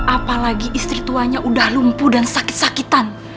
apalagi istri tuanya udah lumpuh dan sakit sakitan